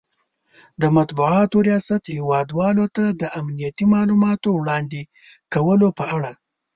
،د مطبوعاتو ریاست هیواد والو ته د امنیتي مالوماتو وړاندې کولو په اړه